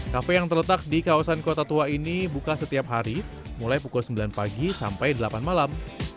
kafe yang terletak di kawasan kota tua ini buka setiap hari mulai pukul sembilan pagi sampai delapan malam